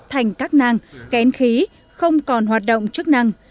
thành các nang kén khí không còn hoạt động chức năng